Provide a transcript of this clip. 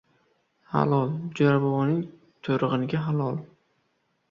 — Hal-o-ol! Jo‘ra boboning to‘rig‘iniki halol!